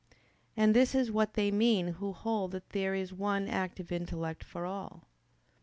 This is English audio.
And this is what they mean who hold that there is one active intellect for all.